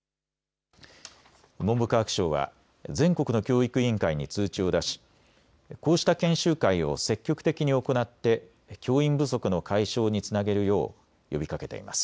文部科学省は全国の教育委員会に通知を出しこうした研修会を積極的に行って教員不足の解消につなげるよう呼びかけています。